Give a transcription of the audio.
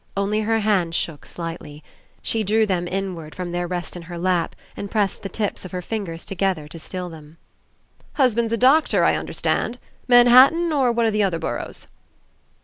Only her hands shook slightly. She drew them inward from their rest in her lap and pressed the tips of her fingers together to still them. "Husband's a doctor, I understand. Manhattan, or one of the other boroughs?"